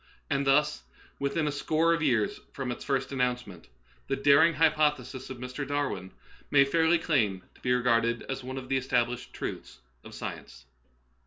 And thus, within a score of years from its first announcement, the daring hypothesis of Mr. Darwin may fairly claim to be regarded as one of the established truths of science.